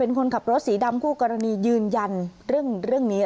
เป็นคนขับรถสีดำคู่กรณียืนยันเรื่องเรื่องนี้